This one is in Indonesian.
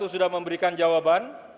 sudah memberikan jawaban